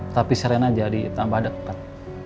tapi serena jadi tambah dekat